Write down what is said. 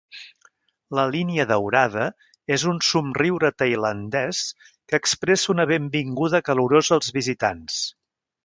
La línia daurada és un somriure tailandès, que expressa una benvinguda calorosa als visitants.